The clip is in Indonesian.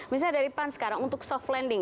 misalnya dari pan sekarang untuk soft landing